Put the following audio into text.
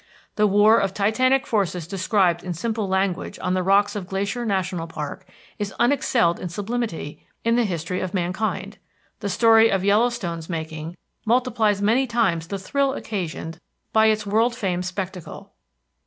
The war of titanic forces described in simple language on the rocks of Glacier National Park is unexcelled in sublimity in the history of mankind. The story of Yellowstone's making multiplies many times the thrill occasioned by its world famed spectacle.